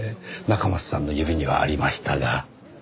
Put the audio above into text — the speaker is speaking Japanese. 中松さんの指にはありましたが。